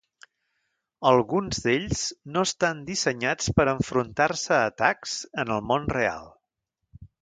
Alguns d'ells no estan dissenyats per enfrontar-se a atacs en el món real.